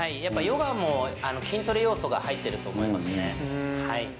ヨガも筋トレ要素が入っていると思いますね。